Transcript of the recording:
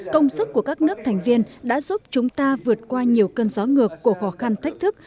công sức của các nước thành viên đã giúp chúng ta vượt qua nhiều cơn gió ngược của khó khăn thách thức